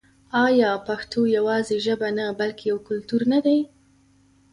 آیا پښتو یوازې ژبه نه بلکې یو کلتور نه دی؟